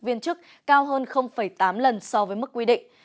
viên chức cao hơn tám lần so với mức quy định